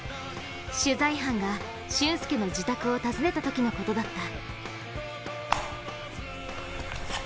取材班が俊輔の自宅を訪ねたときのことだった。